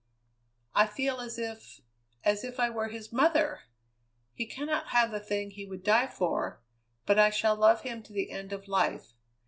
I feel as if as if I were his mother! He cannot have the thing he would die for, but I shall love him to the end of life.